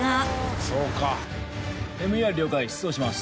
ＭＥＲ了解出動します。